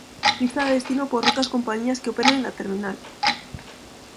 Lista de destino por rutas compañías que operan en la terminal.